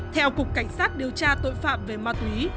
theo cục cảnh sát điều tra tội phạm về ma túy